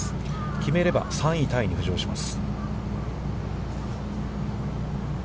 決めれば３位タイに浮上します。